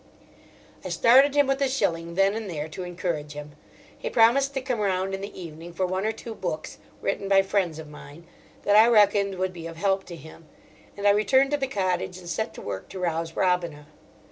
I started him with a shilling then and there to encourage him. He promised to come round in the evening for one or two books, written by friends of mine, that I reckoned would be of help to him; and I returned to the cottage and set to work to rouse Robina.